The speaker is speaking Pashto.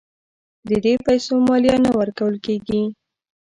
د دې پیسو مالیه نه ورکول کیږي.